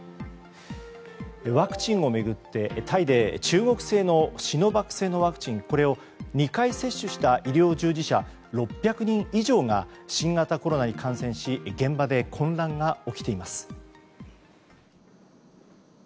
ワクチンを巡ってタイで、中国製のシノバック製のワクチンこれを２回接種した医療従事者６００人以上が新型コロナに感染し現場で混乱が起きています。